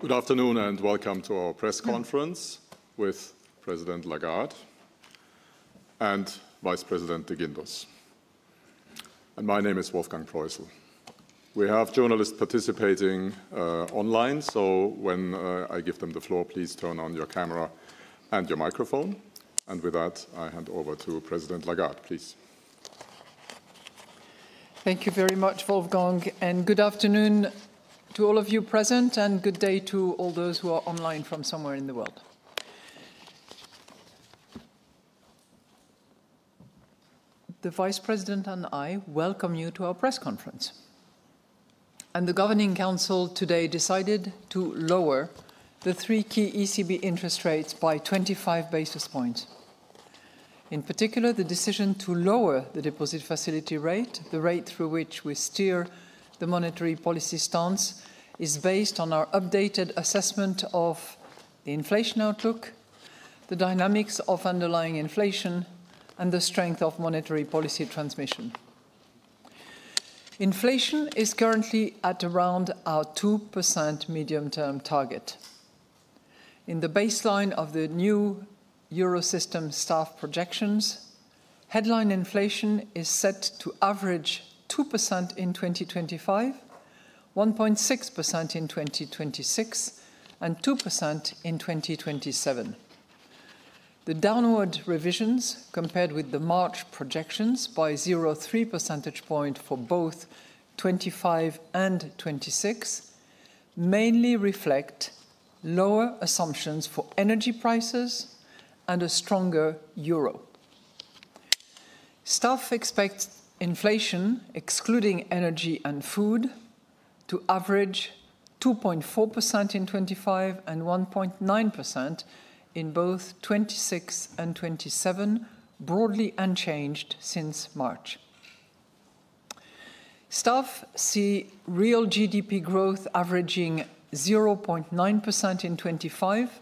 Good afternoon and Welcome To Our Press Conference with President Lagarde and Vice President de Guindos. My name is Wolfgang Proissl. We have journalists participating online, so when I give them the floor, please turn on your camera and your microphone. With that, I hand over to President Lagarde, please. Thank you very much, Wolfgang, and good afternoon to all of you present, and good day to all those who are online from somewhere in the world. The Vice President and I welcome you to our press conference. The Governing Council today decided to lower the three key ECB interest rates by 25 basis points. In particular, the decision to lower the deposit facility rate, the rate through which we steer the monetary policy stance, is based on our updated assessment of the inflation outlook, the dynamics of underlying inflation, and the strength of monetary policy transmission. Inflation is currently at around our 2% medium-term target. In the baseline of the new Eurosystem staff projections, headline inflation is set to average 2% in 2025, 1.6% in 2026, and 2% in 2027. The downward revisions, compared with the March projections by 0.3 percentage points for both 2025 and 2026, mainly reflect lower assumptions for energy prices and a stronger euro. Staff expect inflation, excluding energy and food, to average 2.4% in 2025 and 1.9% in both 2026 and 2027, broadly unchanged since March. Staff see real GDP growth averaging 0.9% in 2025,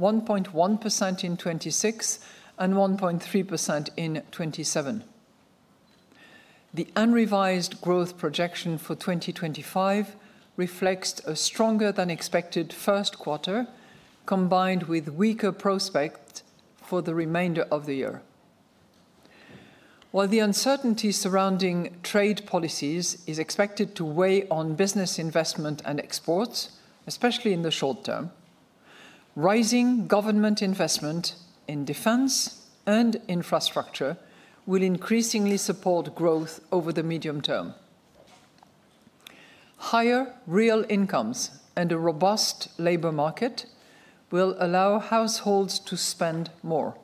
1.1% in 2026, and 1.3% in 2027. The unrevised growth projection for 2025 reflects a stronger-than-expected first quarter, combined with weaker prospects for the remainder of the year. While the uncertainty surrounding trade policies is expected to weigh on business investment and exports, especially in the short term, rising government investment in defense and infrastructure will increasingly support growth over the medium term. Higher real incomes and a robust labor market will allow households to spend more.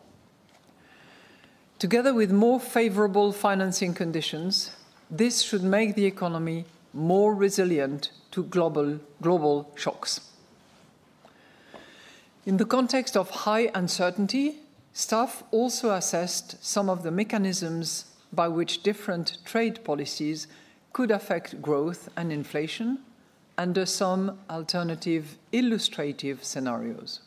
Together with more favorable financing conditions, this should make the economy more resilient to global shocks. In the context of high uncertainty, staff also assessed some of the mechanisms by which different trade policies could affect growth and inflation, and some alternative illustrative scenarios.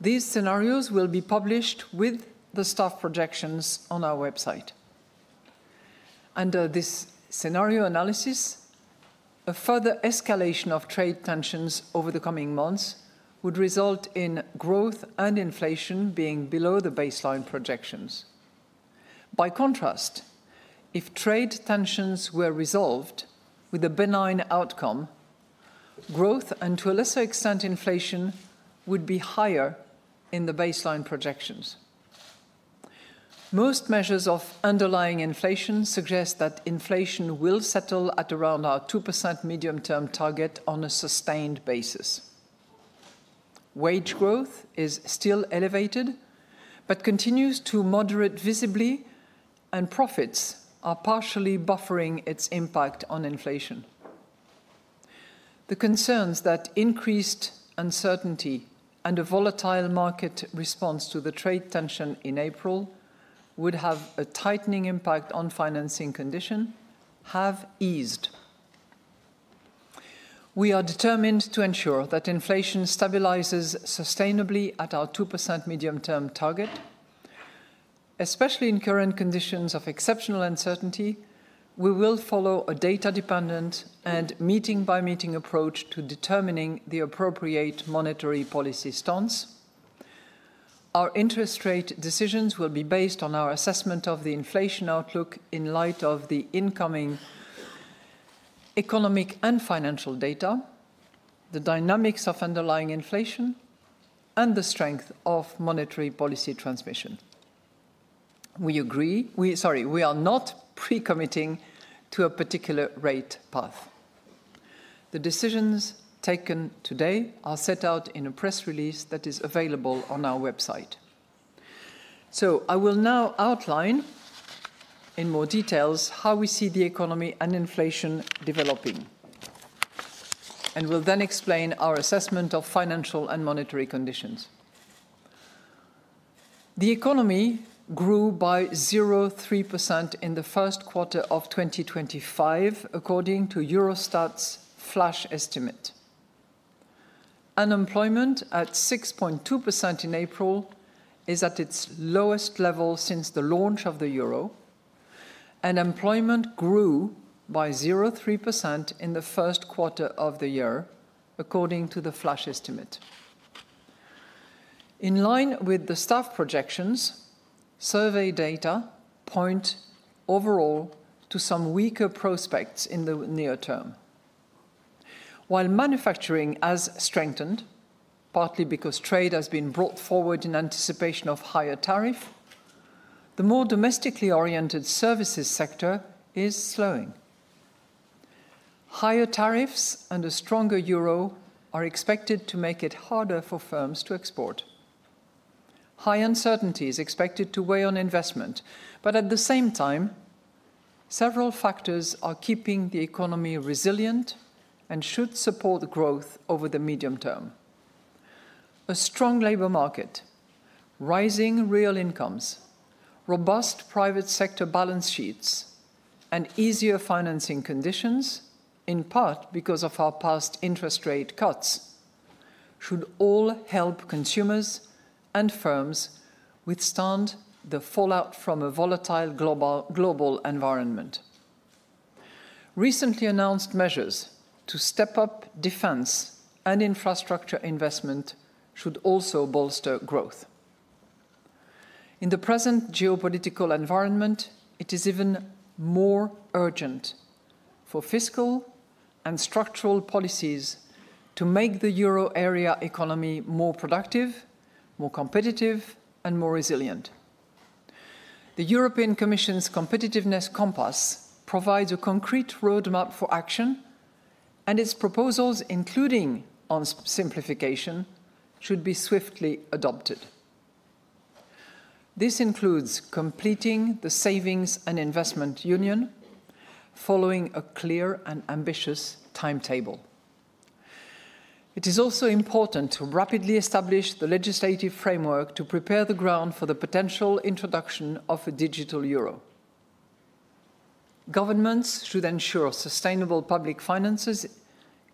These scenarios will be published with the staff projections on our website. Under this scenario analysis, a further escalation of trade tensions over the coming months would result in growth and inflation being below the baseline projections. By contrast, if trade tensions were resolved with a benign outcome, growth and, to a lesser extent, inflation would be higher in the baseline projections. Most measures of underlying inflation suggest that inflation will settle at around our 2% medium-term target on a sustained basis. Wage growth is still elevated but continues to moderate visibly, and profits are partially buffering its impact on inflation. The concerns that increased uncertainty and a volatile market response to the trade tension in April would have a tightening impact on financing conditions have eased. We are determined to ensure that inflation stabilizes sustainably at our 2% medium-term target. Especially in current conditions of exceptional uncertainty, we will follow a data-dependent and meeting-by-meeting approach to determining the appropriate monetary policy stance. Our interest rate decisions will be based on our assessment of the inflation outlook in light of the incoming economic and financial data, the dynamics of underlying inflation, and the strength of monetary policy transmission. We agree we are not pre-committing to a particular rate path. The decisions taken today are set out in a press release that is available on our website. I will now outline in more detail how we see the economy and inflation developing, and will then explain our assessment of financial and monetary conditions. The economy grew by 0.3% in the first quarter of 2025, according to Eurostat's flash estimate. Unemployment at 6.2% in April is at its lowest level since the launch of the euro, and employment grew by 0.3% in the first quarter of the year, according to the flash estimate. In line with the staff projections, survey data point overall to some weaker prospects in the near term. While manufacturing has strengthened, partly because trade has been brought forward in anticipation of higher tariffs, the more domestically oriented services sector is slowing. Higher tariffs and a stronger euro are expected to make it harder for firms to export. High uncertainty is expected to weigh on investment, but at the same time, several factors are keeping the economy resilient and should support growth over the medium term: a strong labor market, rising real incomes, robust private sector balance sheets, and easier financing conditions, in part because of our past interest rate cuts, should all help consumers and firms withstand the fallout from a volatile global environment. Recently announced measures to step up defense and infrastructure investment should also bolster growth. In the present geopolitical environment, it is even more urgent for fiscal and structural policies to make the euro area economy more productive, more competitive, and more resilient. The European Commission's Competitiveness Compass provides a concrete roadmap for action, and its proposals, including on simplification, should be swiftly adopted. This includes completing the Savings and Investment Union, following a clear and ambitious timetable. It is also important to rapidly establish the legislative framework to prepare the ground for the potential introduction of a digital euro. Governments should ensure sustainable public finances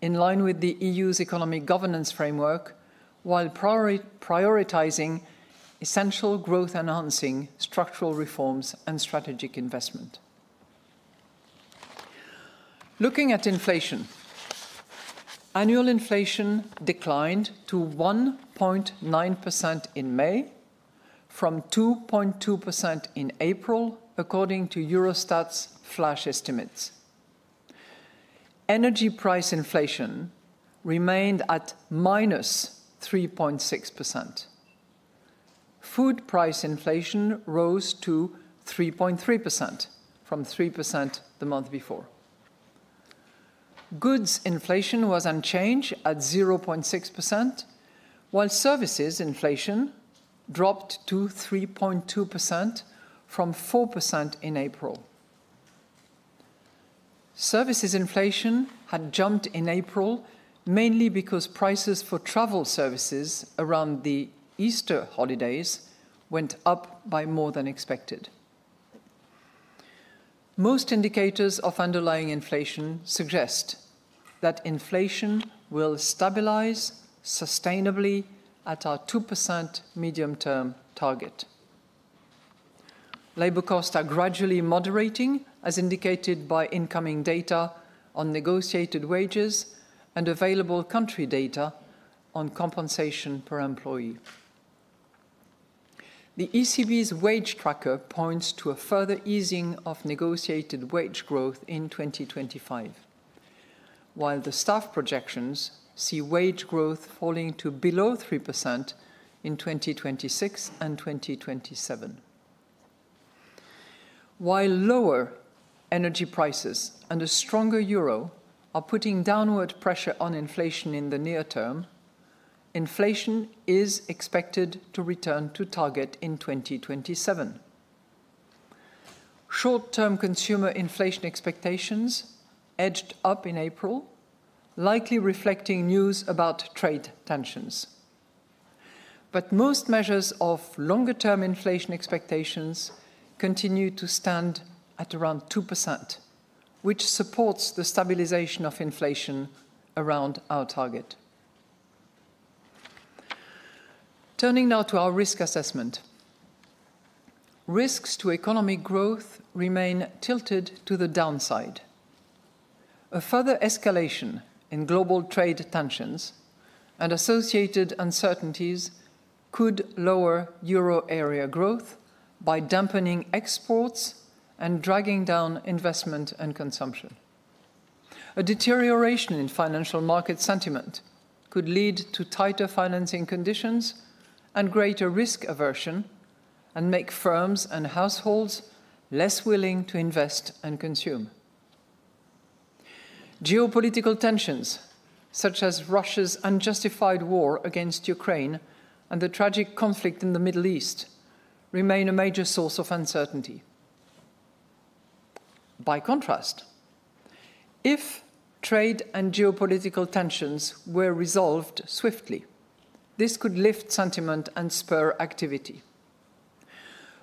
in line with the EU's economic governance framework, while prioritizing essential growth-enhancing structural reforms and strategic investment. Looking at inflation, annual inflation declined to 1.9% in May, from 2.2% in April, according to Eurostat's flash estimates. Energy price inflation remained at minus 3.6%. Food price inflation rose to 3.3%, from 3% the month before. Goods inflation was unchanged at 0.6%, while services inflation dropped to 3.2%, from 4% in April. Services inflation had jumped in April mainly because prices for travel services around the Easter holidays went up by more than expected. Most indicators of underlying inflation suggest that inflation will stabilize sustainably at our 2% medium-term target. Labour costs are gradually moderating, as indicated by incoming data on negotiated wages and available country data on compensation per employee. The ECB's wage tracker points to a further easing of negotiated wage growth in 2025, while the staff projections see wage growth falling to below 3% in 2026 and 2027. While lower energy prices and a stronger euro are putting downward pressure on inflation in the near term, inflation is expected to return to target in 2027. Short-term consumer inflation expectations edged up in April, likely reflecting news about trade tensions. Most measures of longer-term inflation expectations continue to stand at around 2%, which supports the stabilisation of inflation around our target. Turning now to our risk assessment, risks to economic growth remain tilted to the downside. A further escalation in global trade tensions and associated uncertainties could lower euro area growth by dampening exports and dragging down investment and consumption. A deterioration in financial market sentiment could lead to tighter financing conditions and greater risk aversion, and make firms and households less willing to invest and consume. Geopolitical tensions, such as Russia's unjustified war against Ukraine and the tragic conflict in the Middle East, remain a major source of uncertainty. By contrast, if trade and geopolitical tensions were resolved swiftly, this could lift sentiment and spur activity.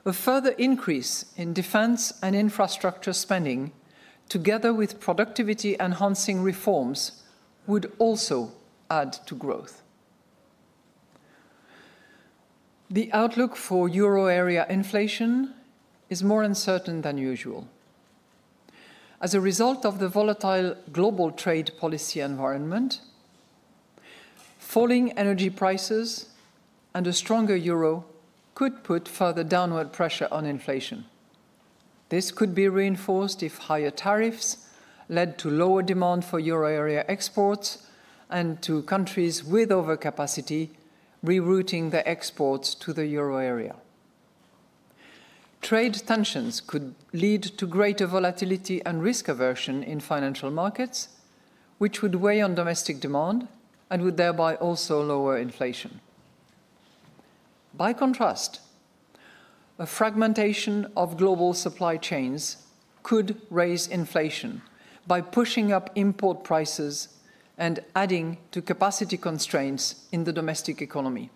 A further increase in defense and infrastructure spending, together with productivity-enhancing reforms, would also add to growth. The outlook for euro area inflation is more uncertain than usual. As a result of the volatile global trade policy environment, falling energy prices and a stronger euro could put further downward pressure on inflation. This could be reinforced if higher tariffs led to lower demand for euro area exports and to countries with overcapacity rerouting their exports to the euro area. Trade tensions could lead to greater volatility and risk aversion in financial markets, which would weigh on domestic demand and would thereby also lower inflation. By contrast, a fragmentation of global supply chains could raise inflation by pushing up import prices and adding to capacity constraints in the domestic economy.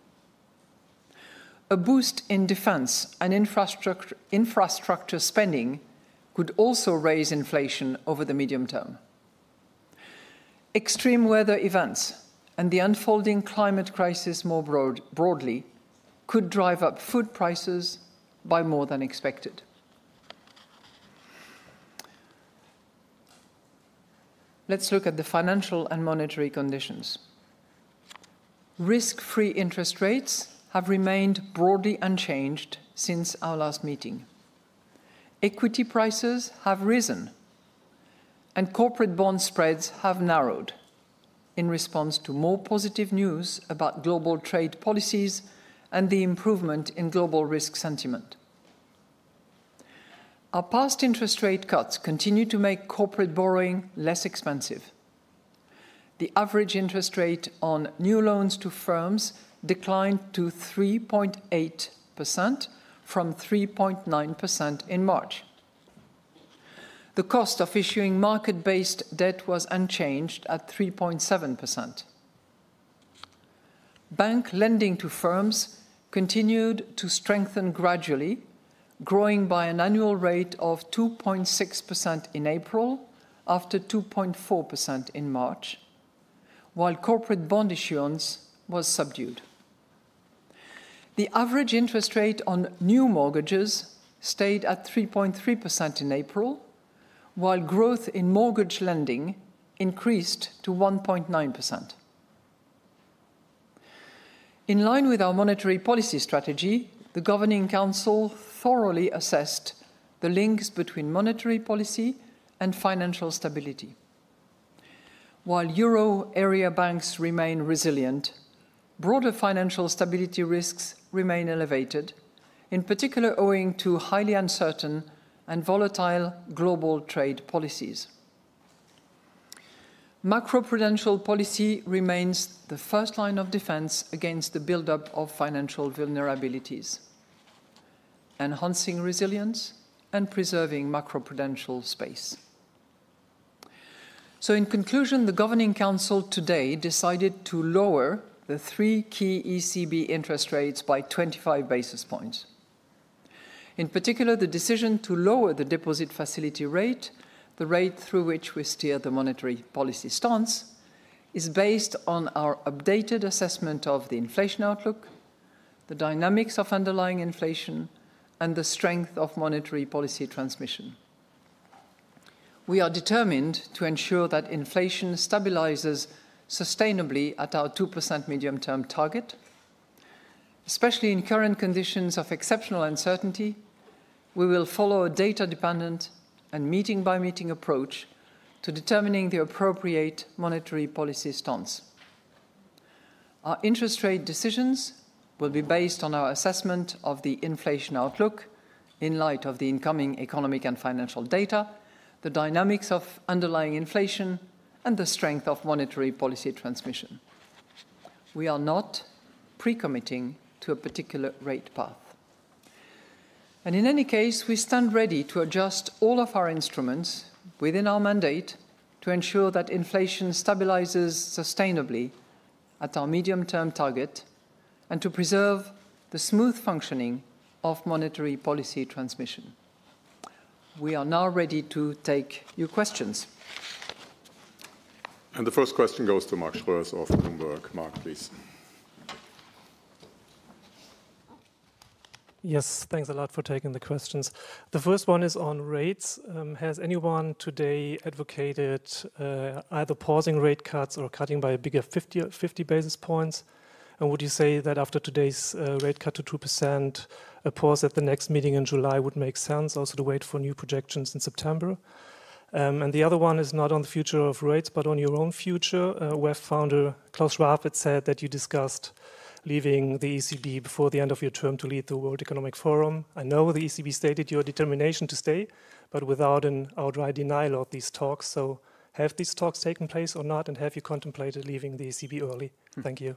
A boost in defense and infrastructure spending could also raise inflation over the medium term. Extreme weather events and the unfolding climate crisis more broadly could drive up food prices by more than expected. Let's look at the financial and monetary conditions. Risk-free interest rates have remained broadly unchanged since our last meeting. Equity prices have risen, and corporate bond spreads have narrowed in response to more positive news about global trade policies and the improvement in global risk sentiment. Our past interest rate cuts continue to make corporate borrowing less expensive. The average interest rate on new loans to firms declined to 3.8%, from 3.9% in March. The cost of issuing market-based debt was unchanged at 3.7%. Bank lending to firms continued to strengthen gradually, growing by an annual rate of 2.6% in April, after 2.4% in March, while corporate bond issuance was subdued. The average interest rate on new mortgages stayed at 3.3% in April, while growth in mortgage lending increased to 1.9%. In line with our monetary policy strategy, the Governing Council thoroughly assessed the links between monetary policy and financial stability. While euro area banks remain resilient, broader financial stability risks remain elevated, in particular owing to highly uncertain and volatile global trade policies. Macroprudential policy remains the first line of defense against the build-up of financial vulnerabilities, enhancing resilience and preserving macroprudential space. In conclusion, the Governing Council today decided to lower the three key ECB interest rates by 25 basis points. In particular, the decision to lower the deposit facility rate, the rate through which we steer the monetary policy stance, is based on our updated assessment of the inflation outlook, the dynamics of underlying inflation, and the strength of monetary policy transmission. We are determined to ensure that inflation stabilizes sustainably at our 2% medium-term target. Especially in current conditions of exceptional uncertainty, we will follow a data-dependent and meeting-by-meeting approach to determining the appropriate monetary policy stance. Our interest rate decisions will be based on our assessment of the inflation outlook in light of the incoming economic and financial data, the dynamics of underlying inflation, and the strength of monetary policy transmission. We are not pre-committing to a particular rate path. In any case, we stand ready to adjust all of our instruments within our mandate to ensure that inflation stabilizes sustainably at our medium-term target and to preserve the smooth functioning of monetary policy transmission. We are now ready to take your questions. The first question goes to Mark Sorensen of Bloomberg. Mark, please. Yes, thanks a lot for taking the questions. The first one is on rates. Has anyone today advocated either pausing rate cuts or cutting by a bigger 50 basis points? Would you say that after today's rate cut to 2%, a pause at the next meeting in July would make sense, also to wait for new projections in September? The other one is not on the future of rates, but on your own future. WEF founder Klaus Schwab had said that you discussed leaving the ECB before the end of your term to lead the World Economic Forum. I know the ECB stated your determination to stay, but without an outright denial of these talks. Have these talks taken place or not? Have you contemplated leaving the ECB early? Thank you.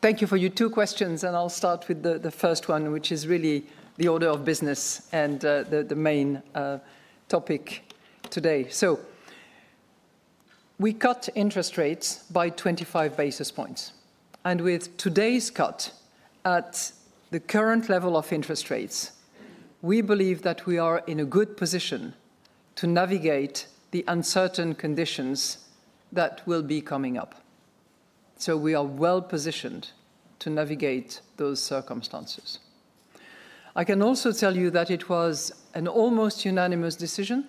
Thank you for your two questions. I'll start with the first one, which is really the order of business and the main topic today. We cut interest rates by 25 basis points. With today's cut at the current level of interest rates, we believe that we are in a good position to navigate the uncertain conditions that will be coming up. We are well positioned to navigate those circumstances. I can also tell you that it was an almost unanimous decision.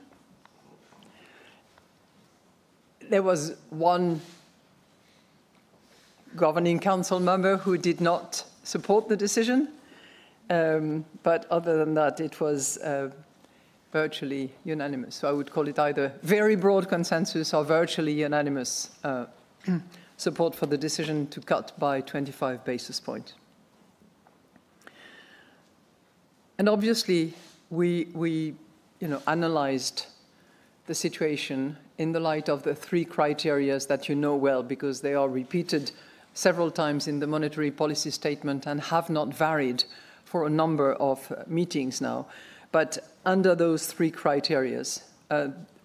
There was one Governing Council member who did not support the decision. Other than that, it was virtually unanimous. I would call it either very broad consensus or virtually unanimous support for the decision to cut by 25 basis points. Obviously, we analysed the situation in the light of the three criteria that you know well, because they are repeated several times in the monetary policy statement and have not varied for a number of meetings now. Under those three criteria,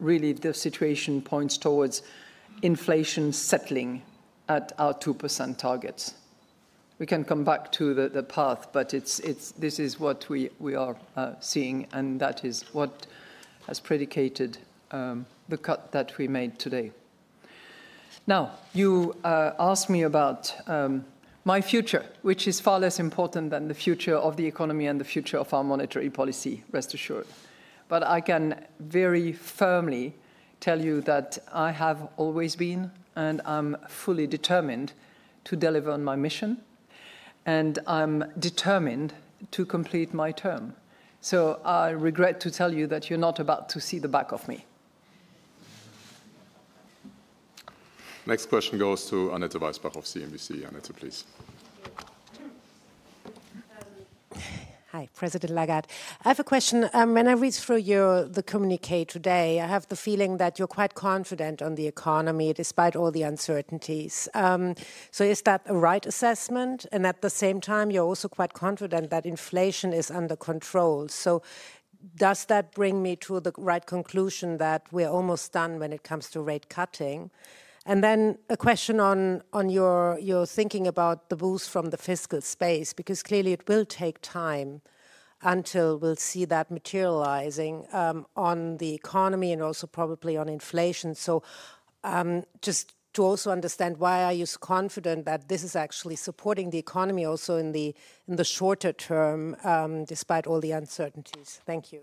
really, the situation points towards inflation settling at our 2% targets. We can come back to the path, but this is what we are seeing, and that is what has predicated the cut that we made today. Now, you asked me about my future, which is far less important than the future of the economy and the future of our monetary policy, rest assured. I can very firmly tell you that I have always been, and I'm fully determined to deliver on my mission, and I'm determined to complete my term. I regret to tell you that you're not about to see the back of me. Next question goes to Annette Weisbach of CNBC. Annette, please. Hi, President Lagarde. I have a question. When I read through the communiqué today, I have the feeling that you're quite confident on the economy, despite all the uncertainties. Is that a right assessment? At the same time, you're also quite confident that inflation is under control. Does that bring me to the right conclusion that we're almost done when it comes to rate cutting? A question on your thinking about the boost from the fiscal space, because clearly it will take time until we'll see that materializing on the economy and also probably on inflation. Just to also understand, why are you so confident that this is actually supporting the economy also in the shorter term, despite all the uncertainties? Thank you.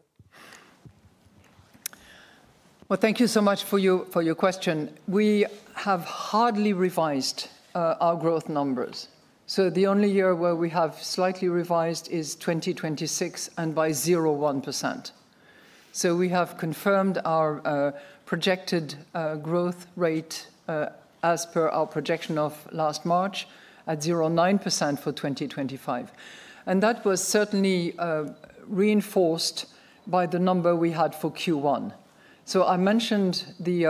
Thank you so much for your question. We have hardly revised our growth numbers. The only year where we have slightly revised is 2026, and by 0.1%. We have confirmed our projected growth rate as per our projection of last March at 0.9% for 2025. That was certainly reinforced by the number we had for Q1. I mentioned the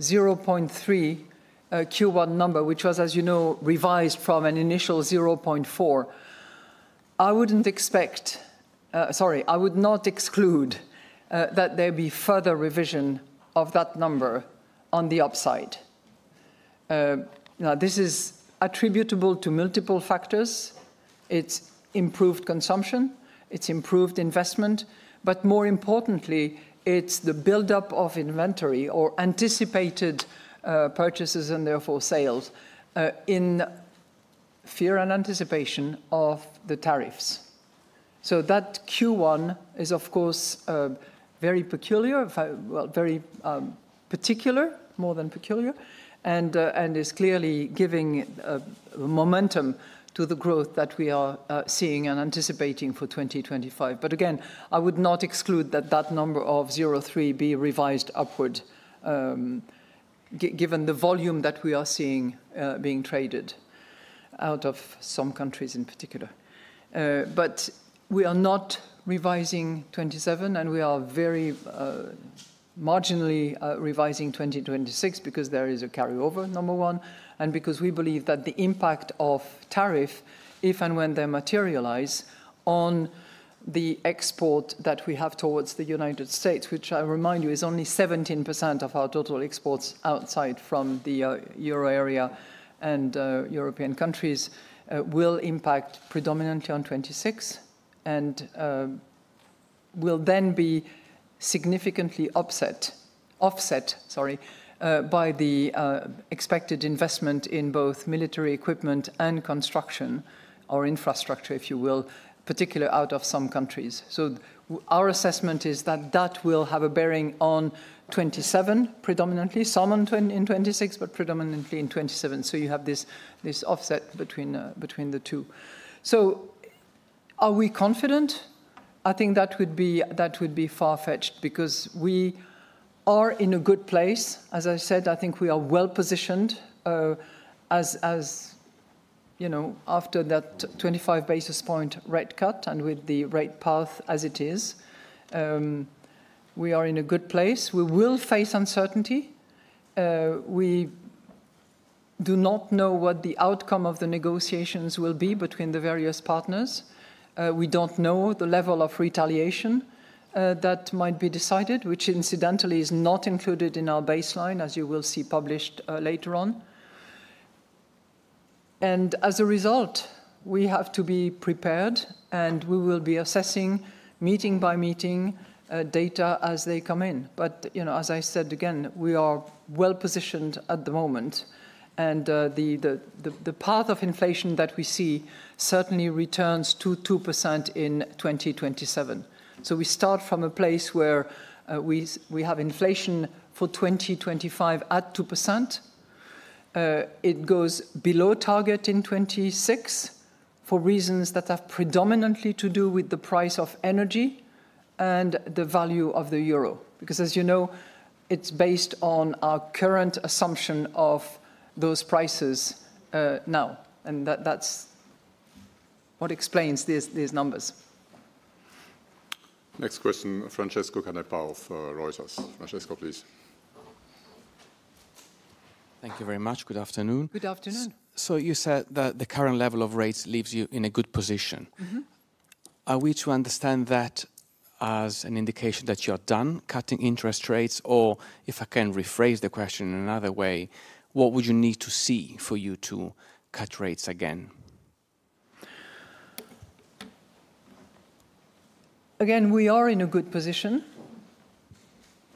0.3 Q1 number, which was, as you know, revised from an initial 0.4. I would not exclude that there be further revision of that number on the upside. This is attributable to multiple factors. It is improved consumption, it is improved investment, but more importantly, it is the build-up of inventory or anticipated purchases and therefore sales in fear and anticipation of the tariffs. That Q1 is, of course, very particular, more than peculiar, and is clearly giving momentum to the growth that we are seeing and anticipating for 2025. Again, I would not exclude that that number of 0.3 be revised upward, given the volume that we are seeing being traded out of some countries in particular. We are not revising 2027, and we are very marginally revising 2026, because there is a carryover, number one, and because we believe that the impact of tariff, if and when they materialize, on the export that we have towards the United States, which I remind you is only 17% of our total exports outside from the euro area and European countries, will impact predominantly on 2026 and will then be significantly offset, sorry, by the expected investment in both military equipment and construction, or infrastructure, if you will, particularly out of some countries. Our assessment is that that will have a bearing on 2027, predominantly some in 2026, but predominantly in 2027. You have this offset between the two. Are we confident? I think that would be far-fetched, because we are in a good place. As I said, I think we are well positioned as, you know, after that 25 basis point rate cut and with the rate path as it is, we are in a good place. We will face uncertainty. We do not know what the outcome of the negotiations will be between the various partners. We do not know the level of retaliation that might be decided, which incidentally is not included in our baseline, as you will see published later on. As a result, we have to be prepared, and we will be assessing meeting-by-meeting data as they come in. You know, as I said again, we are well positioned at the moment. The path of inflation that we see certainly returns to 2% in 2027. We start from a place where we have inflation for 2025 at 2%. It goes below target in 2026 for reasons that have predominantly to do with the price of energy and the value of the euro, because, as you know, it is based on our current assumption of those prices now. That is what explains these numbers. Next question Francesco Canepa for Reuters. Francesco, please. Thank you very much. Good afternoon. Good afternoon. You said that the current level of rates leaves you in a good position. Are we to understand that as an indication that you are done cutting interest rates, or if I can rephrase the question in another way, what would you need to see for you to cut rates again? Again, we are in a good position.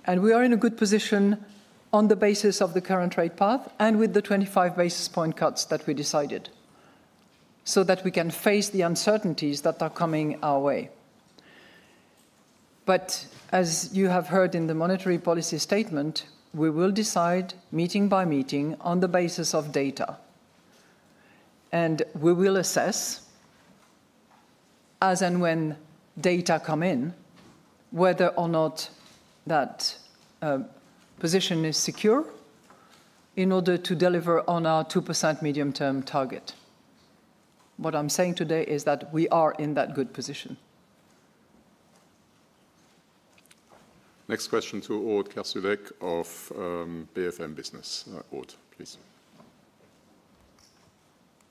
We are in a good position on the basis of the current rate path and with the 25 basis point cuts that we decided, so that we can face the uncertainties that are coming our way. As you have heard in the monetary policy statement, we will decide meeting-by-meeting on the basis of data. We will assess, as and when data come in, whether or not that position is secure in order to deliver on our 2% medium-term target. What I am saying today is that we are in that good position. Next question to Ole Gulsvik of BFM Business.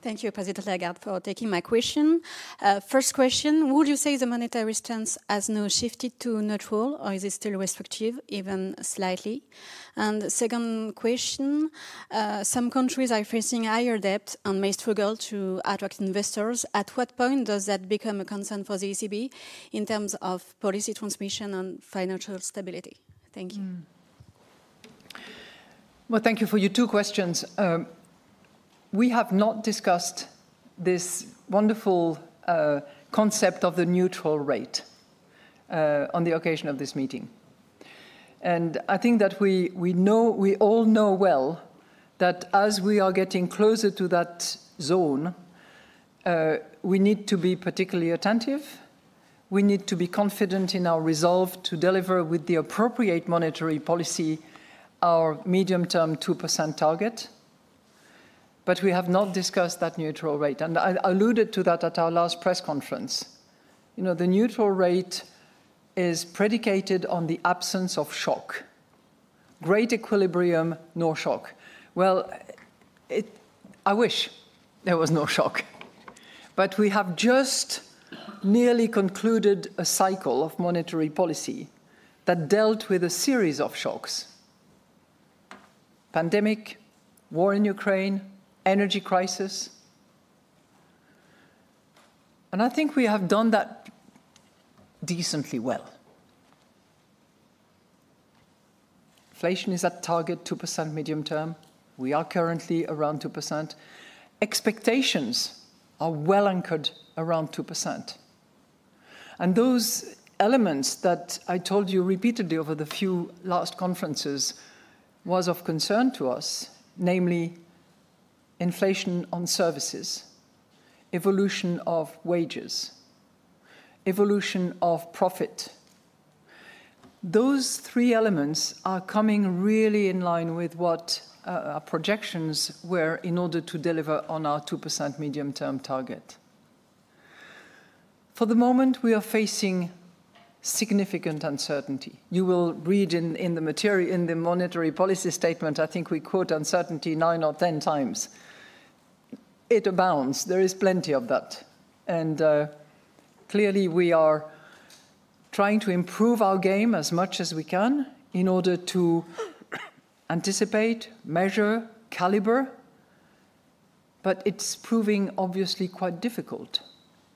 Ole, please. Thank you, President Lagarde, for taking my question. First question, would you say the monetary stance has now shifted to neutral, or is it still restrictive, even slightly? Second question, some countries are facing higher debt and may struggle to attract investors.At what point does that become a concern for the ECB in terms of policy transmission and financial stability? Thank you. Thank you for your two questions. We have not discussed this wonderful concept of the neutral rate on the occasion of this meeting. I think that we know, we all know well that as we are getting closer to that zone, we need to be particularly attentive. We need to be confident in our resolve to deliver with the appropriate monetary policy our medium-term 2% target. We have not discussed that neutral rate. I alluded to that at our last press conference. You know, the neutral rate is predicated on the absence of shock. Great equilibrium, no shock. I wish there was no shock. We have just nearly concluded a cycle of monetary policy that dealt with a series of shocks: pandemic, war in Ukraine, energy crisis. I think we have done that decently well. Inflation is at target, 2% medium term. We are currently around 2%. Expectations are well anchored around 2%. Those elements that I told you repeatedly over the few last conferences were of concern to us, namely inflation on services, evolution of wages, evolution of profit. Those three elements are coming really in line with what our projections were in order to deliver on our 2% medium-term target. For the moment, we are facing significant uncertainty. You will read in the material, in the monetary policy statement, I think we quote uncertainty nine or ten times. It abounds. There is plenty of that. Clearly, we are trying to improve our game as much as we can in order to anticipate, measure, calibre. It is proving obviously quite difficult.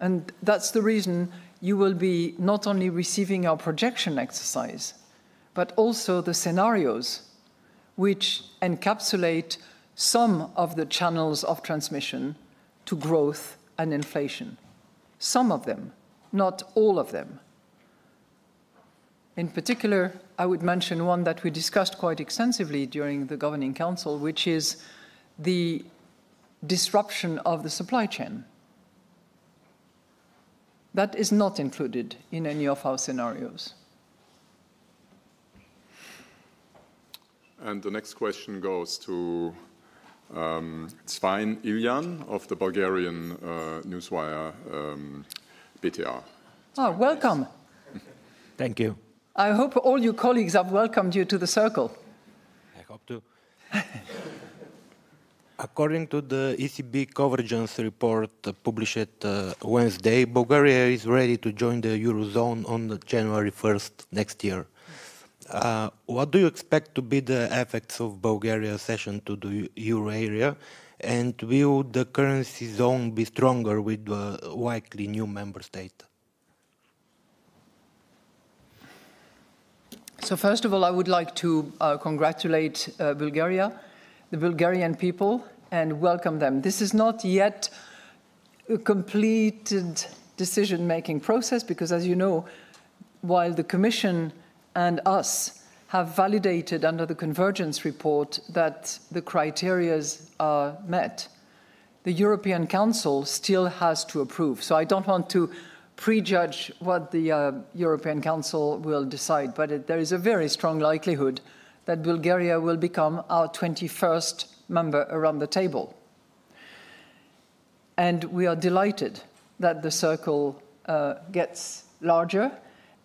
That is the reason you will be not only receiving our projection exercise, but also the scenarios which encapsulate some of the channels of transmission to growth and inflation. Some of them, not all of them. In particular, I would mention one that we discussed quite extensively during the Governing Council, which is the disruption of the supply chain. That is not included in any of our scenarios. The next question goes to Sliviya Ilieva of the Bulgarian newswire BTA Oh, welcome. Thank you. I hope all your colleagues have welcomed you to the circle. According to the ECB Convergence Report published Wednesday, Bulgaria is ready to join the eurozone on January 1 next year. What do you expect to be the effects of Bulgaria's accession to the euro area, and will the currency zone be stronger with the likely new member state? First of all, I would like to congratulate Bulgaria, the Bulgarian people, and welcome them. This is not yet a completed decision-making process, because, as you know, while the Commission and us have validated under the Convergence Report that the criteria are met, the European Council still has to approve. I do not want to prejudge what the European Council will decide, but there is a very strong likelihood that Bulgaria will become our 21st member around the table. We are delighted that the circle gets larger,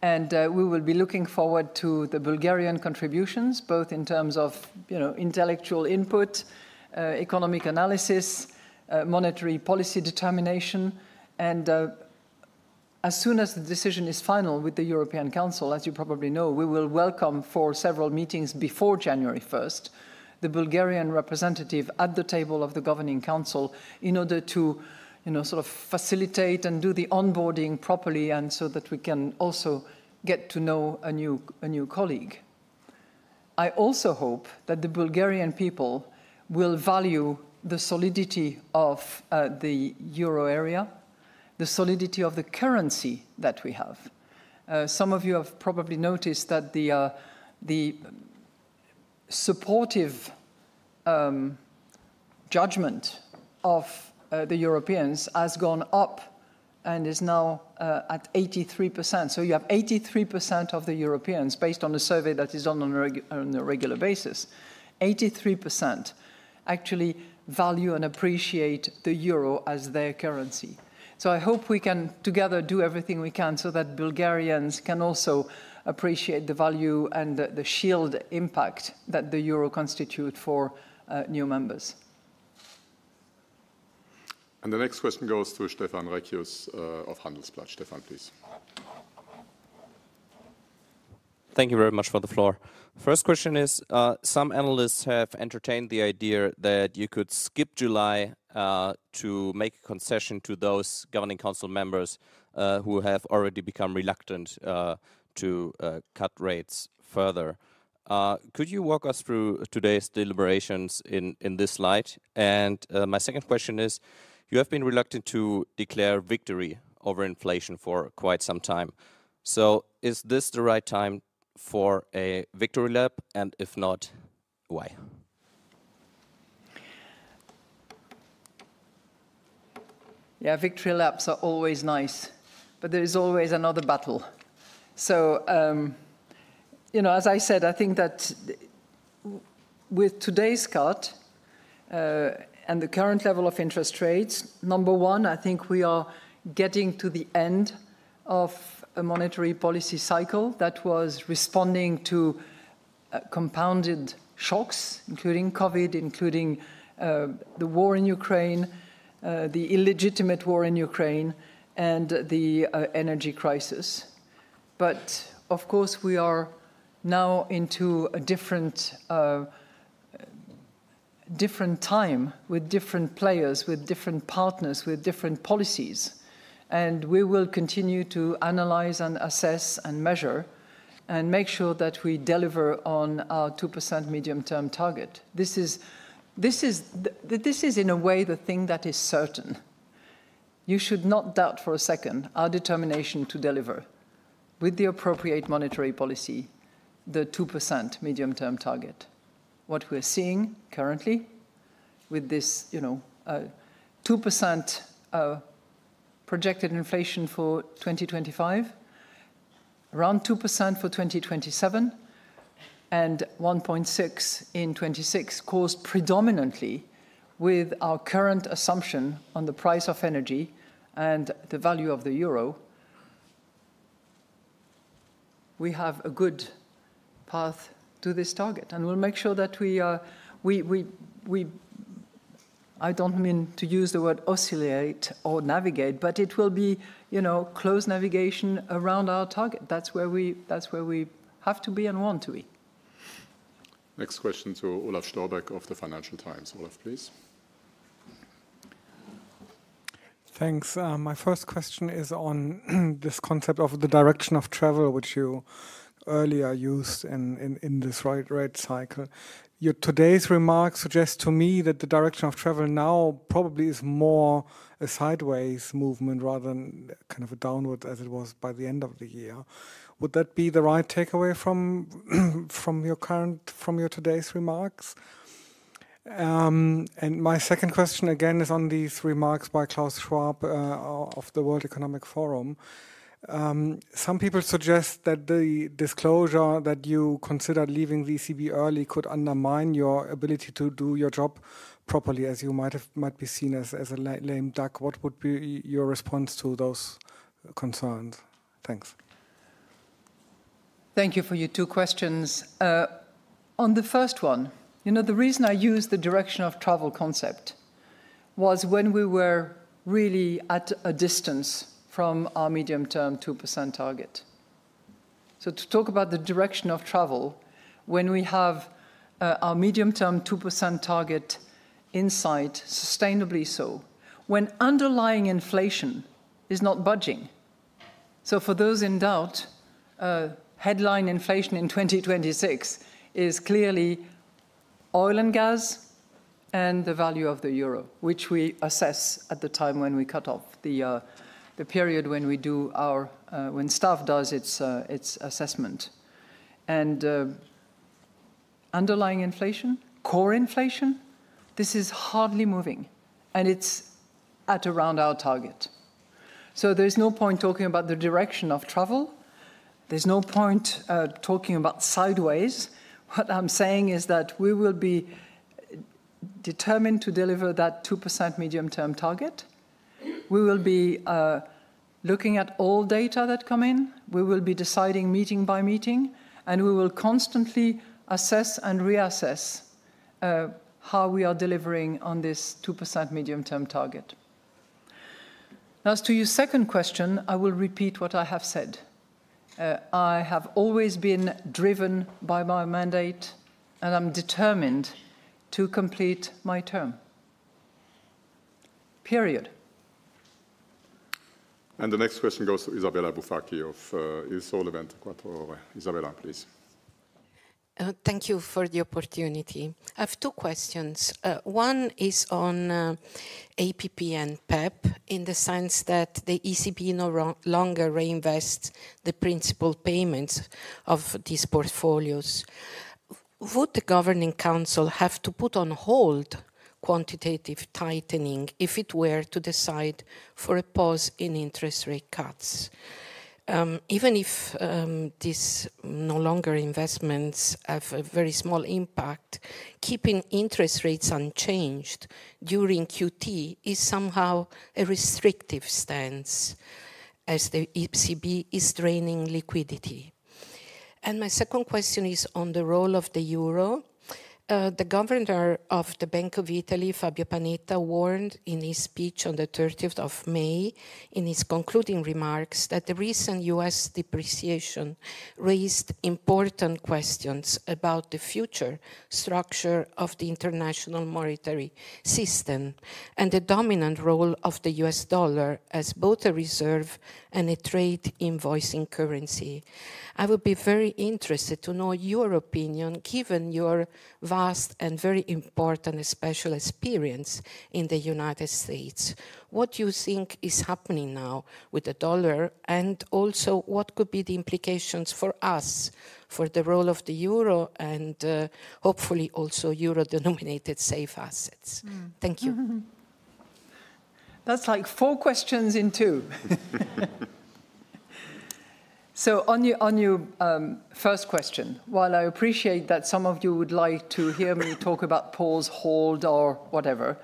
and we will be looking forward to the Bulgarian contributions, both in terms of, you know, intellectual input, economic analysis, monetary policy determination. As soon as the decision is final with the European Council, as you probably know, we will welcome for several meetings before January 1 the Bulgarian representative at the table of the Governing Council in order to, you know, sort of facilitate and do the onboarding properly, and so that we can also get to know a new colleague. I also hope that the Bulgarian people will value the solidity of the euro area, the solidity of the currency that we have. Some of you have probably noticed that the supportive judgment of the Europeans has gone up and is now at 83%. You have 83% of the Europeans, based on a survey that is done on a regular basis, 83% actually value and appreciate the euro as their currency. I hope we can together do everything we can so that Bulgarians can also appreciate the value and the shield impact that the euro constitutes for new members. The next question goes to Stefan Riecher of Handelsblatt. Stefan, please. Thank you very much for the floor. First question is, some analysts have entertained the idea that you could skip July to make a concession to those Governing Council members who have already become reluctant to cut rates further. Could you walk us through today's deliberations in this light? My second question is, you have been reluctant to declare victory over inflation for quite some time. Is this the right time for a victory lap, and if not, why? Yeah, victory laps are always nice, but there is always another battle. You know, as I said, I think that with today's cut and the current level of interest rates, number one, I think we are getting to the end of a monetary policy cycle that was responding to compounded shocks, including COVID, including the war in Ukraine, the illegitimate war in Ukraine, and the energy crisis. Of course, we are now into a different time with different players, with different partners, with different policies. We will continue to analyze and assess and measure and make sure that we deliver on our 2% medium-term target. This is, in a way, the thing that is certain. You should not doubt for a second our determination to deliver with the appropriate monetary policy, the 2% medium-term target. What we're seeing currently with this, you know, 2% projected inflation for 2025, around 2% for 2027, and 1.6 in 2026, caused predominantly with our current assumption on the price of energy and the value of the euro, we have a good path to this target. We'll make sure that we, I don't mean to use the word oscillate or navigate, but it will be, you know, close navigation around our target. That's where we have to be and want to be. Next question to Ole Gulsvik of the Financial Times. Ole, please. Thanks. My first question is on this concept of the direction of travel, which you earlier used in this rate cycle. Your today's remarks suggest to me that the direction of travel now probably is more a sideways movement rather than kind of a downward, as it was by the end of the year. Would that be the right takeaway from your current, from your today's remarks? My second question again is on these remarks by Klaus Schwab of the World Economic Forum. Some people suggest that the disclosure that you considered leaving the ECB early could undermine your ability to do your job properly, as you might be seen as a lame duck. What would be your response to those concerns? Thanks. Thank you for your two questions. On the first one, you know, the reason I used the direction of travel concept was when we were really at a distance from our medium-term 2% target. To talk about the direction of travel when we have our medium-term 2% target in sight, sustainably so, when underlying inflation is not budging. For those in doubt, headline inflation in 2026 is clearly oil and gas and the value of the euro, which we assess at the time when we cut off the period when we do our, when staff does its assessment. Underlying inflation, core inflation, this is hardly moving, and it is at around our target. There is no point talking about the direction of travel. There is no point talking about sideways. What I am saying is that we will be determined to deliver that 2% medium-term target. We will be looking at all data that come in. We will be deciding meeting by meeting, and we will constantly assess and reassess how we are delivering on this 2% medium-term target. Now, to your second question, I will repeat what I have said. I have always been driven by my mandate, and I'm determined to complete my term. Period. The next question goes to Isabella Bufardi of Isole, Isabella, please. Thank you for the opportunity. I have two questions. One is on APP and PEP in the sense that the ECB no longer reinvests the principal payments of these portfolios. Would the Governing Council have to put on hold quantitative tightening if it were to decide for a pause in interest rate cuts? Even if these no longer investments have a very small impact, keeping interest rates unchanged during QT is somehow a restrictive stance as the ECB is draining liquidity. My second question is on the role of the euro. The Governor of the Bank of Italy, Fabio Panetta, warned in his speech on the 30th of May in his concluding remarks that the recent U.S. depreciation raised important questions about the future structure of the international monetary system and the dominant role of the U.S. dollar as both a reserve and a trade invoicing currency. I would be very interested to know your opinion, given your vast and very important special experience in the United States. What do you think is happening now with the dollar, and also what could be the implications for us, for the role of the euro and hopefully also euro-denominated safe assets? Thank you. That's like four questions in two. On your first question, while I appreciate that some of you would like to hear me talk about pause, hold, or whatever,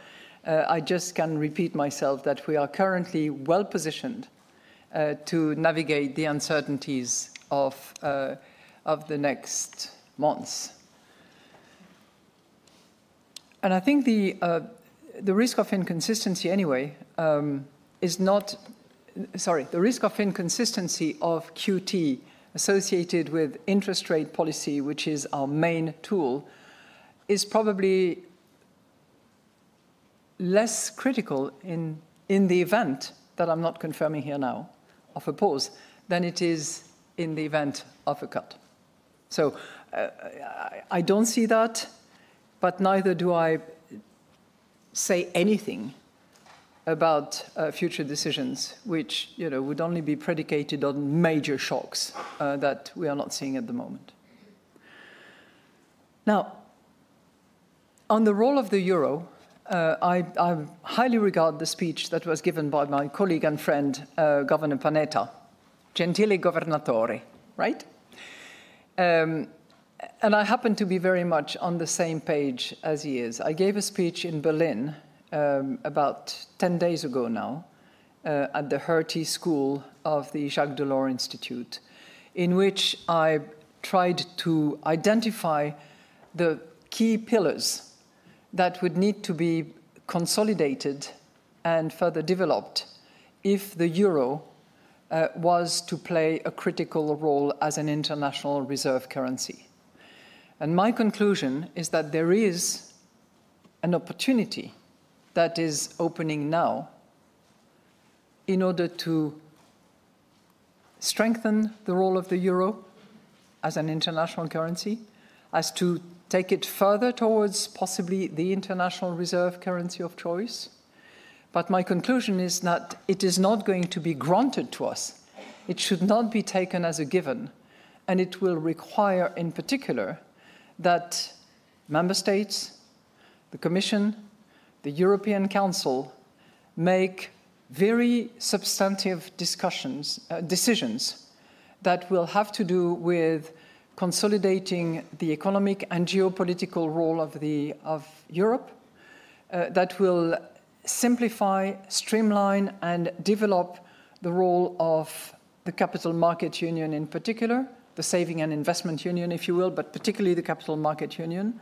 I just can repeat myself that we are currently well positioned to navigate the uncertainties of the next months. I think the risk of inconsistency, anyway, is not, sorry, the risk of inconsistency of QT associated with interest rate policy, which is our main tool, is probably less critical in the event, that I am not confirming here now, of a pause than it is in the event of a cut. I do not see that, but neither do I say anything about future decisions, which, you know, would only be predicated on major shocks that we are not seeing at the moment. Now, on the role of the euro, I highly regard the speech that was given by my colleague and friend, Governor Panetta, Gentile Governatore, right? I happen to be very much on the same page as he is. I gave a speech in Berlin about 10 days ago now at the Hertie School of the Jacques Delors Institute, in which I tried to identify the key pillars that would need to be consolidated and further developed if the euro was to play a critical role as an international reserve currency. My conclusion is that there is an opportunity that is opening now in order to strengthen the role of the euro as an international currency, as to take it further towards possibly the international reserve currency of choice. My conclusion is that it is not going to be granted to us. It should not be taken as a given, and it will require in particular that member states, the Commission, the European Council make very substantive discussions, decisions that will have to do with consolidating the economic and geopolitical role of Europe, that will simplify, streamline, and develop the role of the Capital Markets Union in particular, the Savings and Investment Union, if you will, but particularly the Capital Markets Union.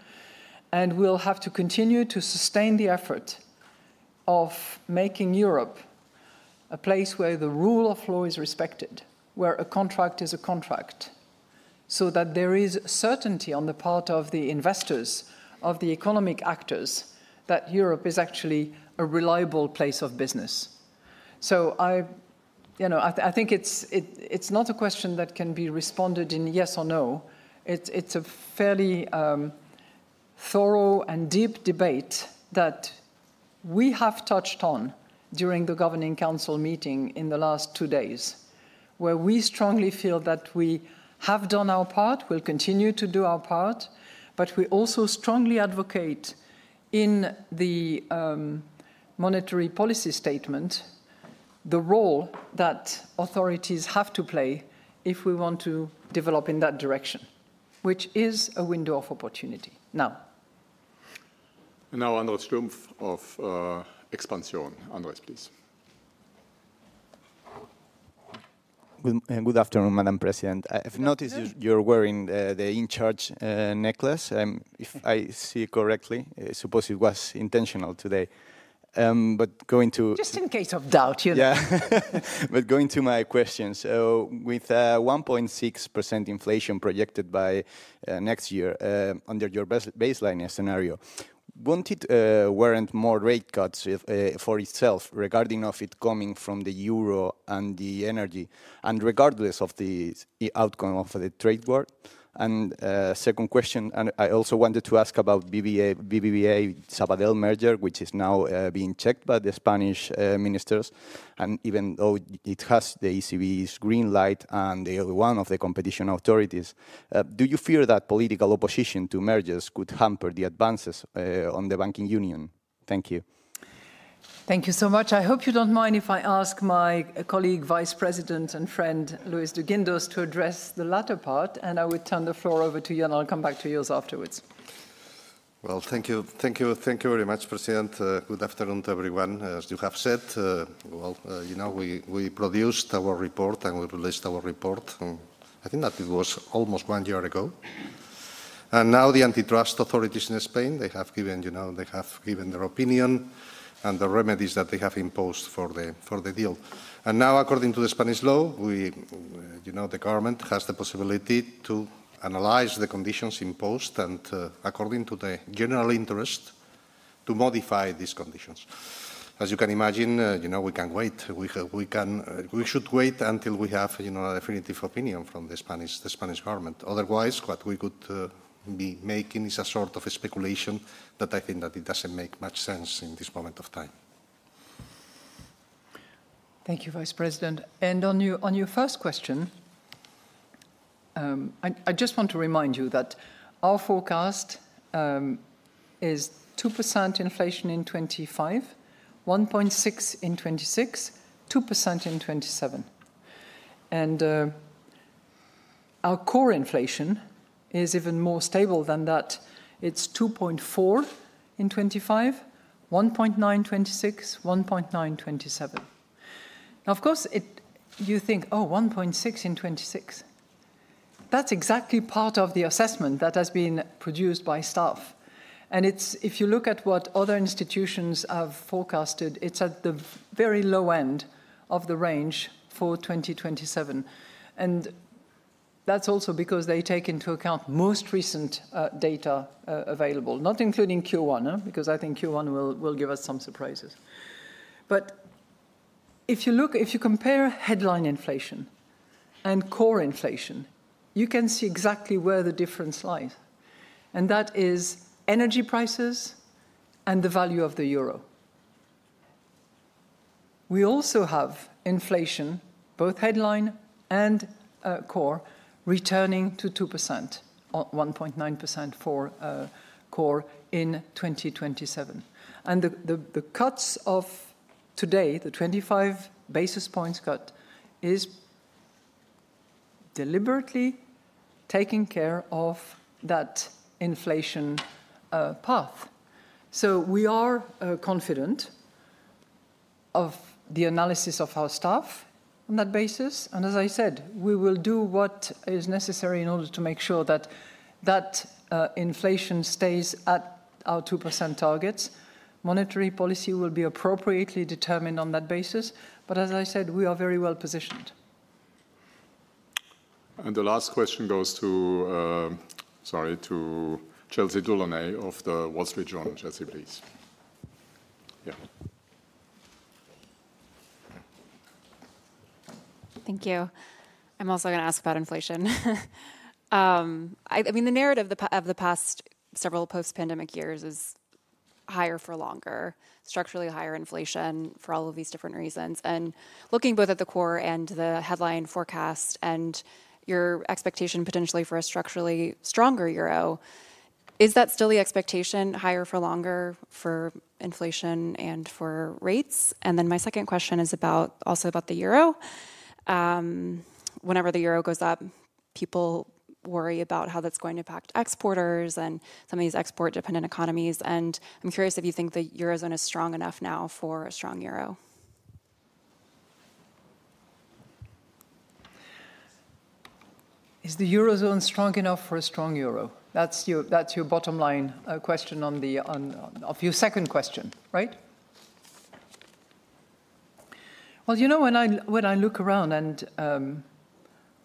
We will have to continue to sustain the effort of making Europe a place where the rule of law is respected, where a contract is a contract, so that there is certainty on the part of the investors, of the economic actors, that Europe is actually a reliable place of business. I, you know, I think it's not a question that can be responded in yes or no. It's a fairly thorough and deep debate that we have touched on during the Governing Council meeting in the last two days, where we strongly feel that we have done our part, we'll continue to do our part, but we also strongly advocate in the monetary policy statement the role that authorities have to play if we want to develop in that direction, which is a window of opportunity now. Now, Andres Gulsvik, of Expansion. Andres, please. Good afternoon, Madam President. I've noticed you're wearing the InCharge necklace, if I see correctly. I suppose it was intentional today. Just in case of doubt, you know. Yeah. Going to my questions. With a 1.6% inflation projected by next year under your baseline scenario, would not it warrant more rate cuts for itself regarding of it coming from the euro and the energy, and regardless of the outcome of the trade war? Second question, I also wanted to ask about the BBVA-Sabadell merger, which is now being checked by the Spanish ministers, and even though it has the ECB's green light and the one of the competition authorities, do you fear that political opposition to mergers could hamper the advances on the banking union? Thank you. Thank you so much. I hope you do not mind if I ask my colleague, Vice President and friend, Luis de Guindos, to address the latter part, and I will turn the floor over to you, and I will come back to yours afterwards. Thank you. Thank you very much, President.Good afternoon to everyone. As you have said, you know, we produced our report and we released our report. I think that it was almost one year ago. Now the antitrust authorities in Spain, they have given, you know, they have given their opinion and the remedies that they have imposed for the deal. Now, according to the Spanish law, we, you know, the government has the possibility to analyze the conditions imposed and, according to the general interest, to modify these conditions. As you can imagine, you know, we can wait. We can, we should wait until we have, you know, a definitive opinion from the Spanish government. Otherwise, what we could be making is a sort of speculation that I think that it doesn't make much sense in this moment of time. Thank you, Vice President.On your first question, I just want to remind you that our forecast is 2% inflation in 2025, 1.6% in 2026, 2% in 2027. Our core inflation is even more stable than that. It is 2.4% in 2025, 1.9% in 2026, 1.9% in 2027. Of course, you think, oh, 1.6% in 2026. That is exactly part of the assessment that has been produced by staff. If you look at what other institutions have forecasted, it is at the very low end of the range for 2027. That is also because they take into account most recent data available, not including Q1, because I think Q1 will give us some surprises. If you compare headline inflation and core inflation, you can see exactly where the difference lies. That is energy prices and the value of the euro. We also have inflation, both headline and core, returning to 2%, 1.9% for core in 2027. The cuts of today, the 25 basis points cut, is deliberately taking care of that inflation path. We are confident of the analysis of our staff on that basis. As I said, we will do what is necessary in order to make sure that that inflation stays at our 2% targets. Monetary policy will be appropriately determined on that basis. As I said, we are very well positioned. The last question goes to, sorry, to Chelsea Dulaney of the Wall Street Journal. Chelsea, please. Yeah. Thank you. I'm also going to ask about inflation. I mean, the narrative of the past several post-pandemic years is higher for longer, structurally higher inflation for all of these different reasons. Looking both at the core and the headline forecast and your expectation potentially for a structurally stronger euro, is that still the expectation, higher for longer for inflation and for rates? My second question is also about the euro. Whenever the euro goes up, people worry about how that's going to impact exporters and some of these export-dependent economies. I'm curious if you think the eurozone is strong enough now for a strong euro. Is the eurozone strong enough for a strong euro? That's your bottom line question of your second question, right? You know, when I look around and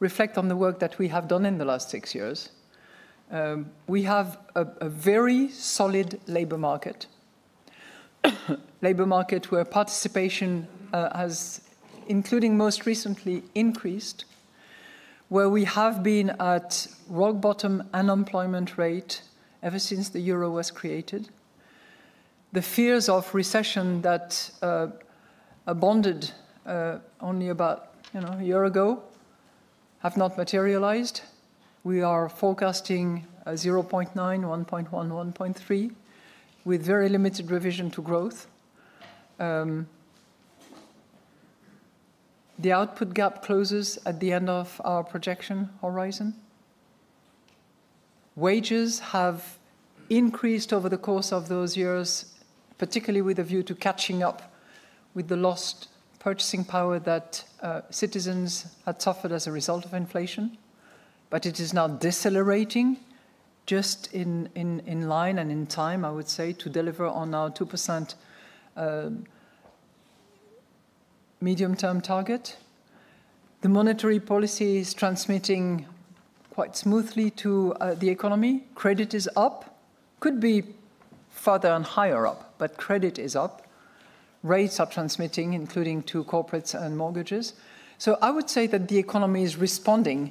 reflect on the work that we have done in the last six years, we have a very solid labor market, labor market where participation has, including most recently, increased, where we have been at rock bottom unemployment rate ever since the euro was created. The fears of recession that abounded only about, you know, a year ago have not materialized. We are forecasting 0.9, 1.1, 1.3, with very limited revision to growth. The output gap closes at the end of our projection horizon. Wages have increased over the course of those years, particularly with a view to catching up with the lost purchasing power that citizens had suffered as a result of inflation. It is now decelerating just in line and in time, I would say, to deliver on our 2% medium-term target. The monetary policy is transmitting quite smoothly to the economy. Credit is up. Could be further and higher up, but credit is up. Rates are transmitting, including to corporates and mortgages. I would say that the economy is responding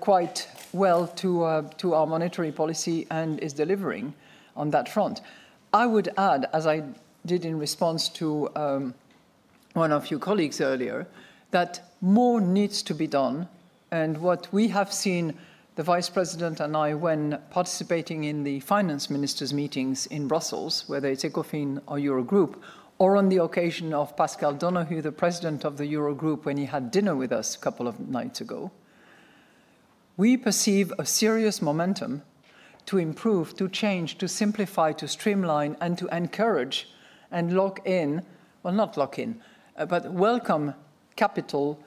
quite well to our monetary policy and is delivering on that front. I would add, as I did in response to one of your colleagues earlier, that more needs to be done. What we have seen, the Vice President and I, when participating in the finance ministers' meetings in Brussels, whether it is Ecofin or Eurogroup, or on the occasion of Pascal Donohue, the President of the Eurogroup, when he had dinner with us a couple of nights ago, we perceive a serious momentum to improve, to change, to simplify, to streamline, and to encourage and lock in, well, not lock in, but welcome capital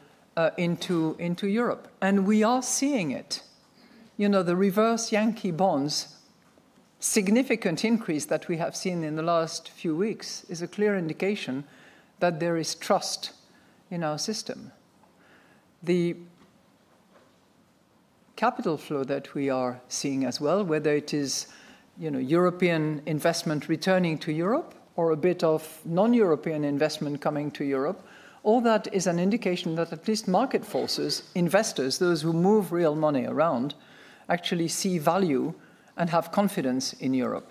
into Europe. We are seeing it. You know, the reverse Yankee bonds, significant increase that we have seen in the last few weeks is a clear indication that there is trust in our system. The capital flow that we are seeing as well, whether it is, you know, European investment returning to Europe or a bit of non-European investment coming to Europe, all that is an indication that at least market forces, investors, those who move real money around, actually see value and have confidence in Europe.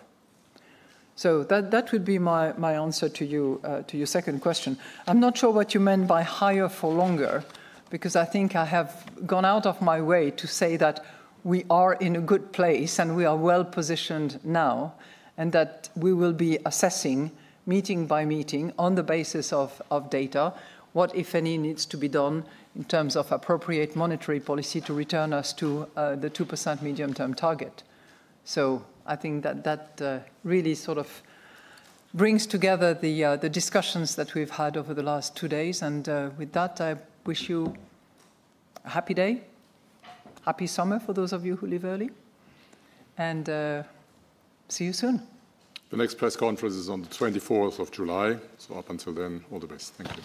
That would be my answer to your second question. I'm not sure what you meant by higher for longer, because I think I have gone out of my way to say that we are in a good place and we are well positioned now, and that we will be assessing, meeting by meeting, on the basis of data, what, if any, needs to be done in terms of appropriate monetary policy to return us to the 2% medium-term target. I think that that really sort of brings together the discussions that we've had over the last two days. With that, I wish you a happy day, happy summer for those of you who leave early, and see you soon. The next press conference is on the 24th of July. Up until then, all the best. Thank you.